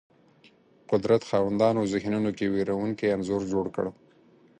قدرت خاوندانو ذهنونو کې وېرونکی انځور جوړ کړ